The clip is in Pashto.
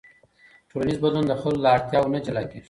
ټولنیز بدلون د خلکو له اړتیاوو نه جلا کېږي.